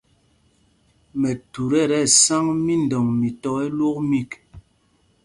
Mɛthut ɛ́ tí ɛsáŋ mídɔŋ mi tɔ̄ ɛlwók mîk.